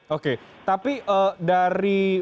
oke tapi dari